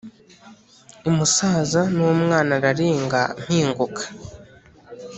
Umusaza n'umwanararenga mpinguka